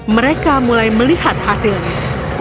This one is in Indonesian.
mereka mulai melihat hasilnya